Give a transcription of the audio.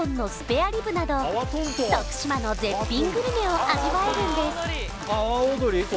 徳島の絶品グルメを味わえるんです